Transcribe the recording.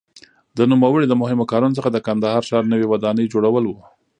د نوموړي د مهمو کارونو څخه د کندهار ښار نوې ودانۍ جوړول وو.